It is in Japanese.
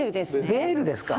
ベールですか。